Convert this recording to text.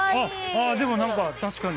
でも何か確かに。